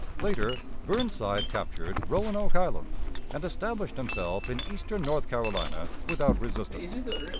Later, Burnside captured Roanoke Island, and established himself in eastern North Carolina without resistance.